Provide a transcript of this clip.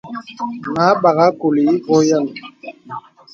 Mə a bagha kùlì ìvɔ̄ɔ̄ yəm.